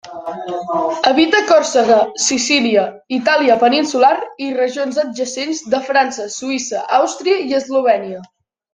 Habita Còrsega, Sicília, Itàlia peninsular i regions adjacents de França, Suïssa, Àustria i Eslovènia.